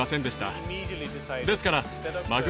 ですから。